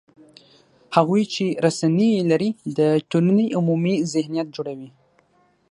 هغوی چې رسنۍ یې لري، د ټولنې عمومي ذهنیت جوړوي